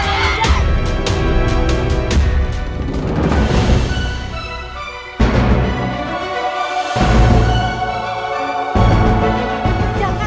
jangan naya jangan